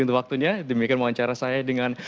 untuk waktunya demikian wawancara saya dengan